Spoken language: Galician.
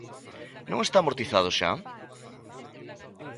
Non está amortizado xa?